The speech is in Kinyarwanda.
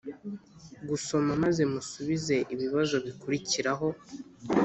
gusoma maze musubize ibibazo bikurikiraho